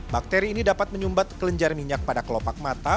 bakteri ini dapat menyumbat kelenjar minyak pada kelopak mata